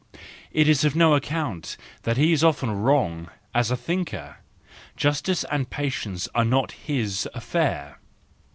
It is of no account that he is often wrong as a thinker ; justice and patience are not his affair.